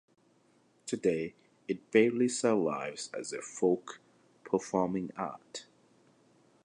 Today it barely survives as a folk performing art.